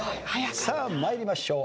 さあ参りましょう。